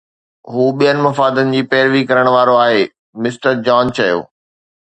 هو ٻين مفادن جي پيروي ڪرڻ وارو آهي، مسٽر جان چيو